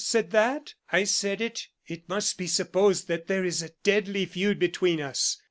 said that?" "I said it. It must be supposed that there is a deadly feud between us.